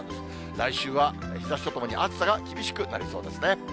来週は日ざしとともに暑さが厳しくなりそうですね。